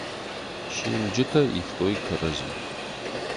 Симджытӕ ивтой кӕрӕдзи.